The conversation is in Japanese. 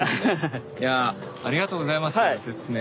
ありがとうございますご説明。